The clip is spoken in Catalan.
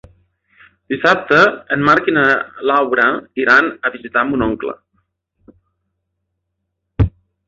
Dissabte en Marc i na Laura iran a visitar mon oncle.